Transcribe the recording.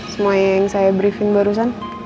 semua yang saya briefing barusan